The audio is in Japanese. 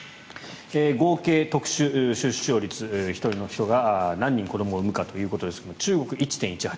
合計特殊出生率１人の人が何人子どもを産むかということですが中国は１．１８